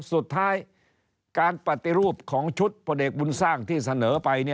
สุดท้ายการปฏิรูปของชุดพลเอกบุญสร้างที่เสนอไป